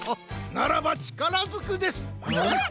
ならばちからずくです！